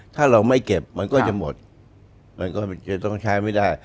ถ้าเราไม่เก็บมันก็จะหมดมันก็จะต้องใช้ไม่ได้